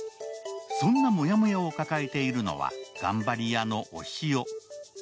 そんなモヤモヤを抱えているのは頑張り屋の押尾。